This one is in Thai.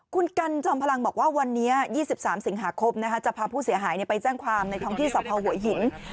คุณกันจอมพลังบอกว่าวันนี้๒๓สิงหาคมจะพาผู้เสียหายไปแจ้งความในท้องที่สภหัวหิน